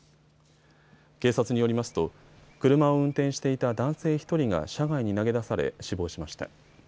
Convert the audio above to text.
警察によりますと車を運転していた男性１人が車外に投げ出され、死亡しました。